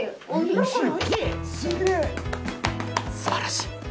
すばらしい！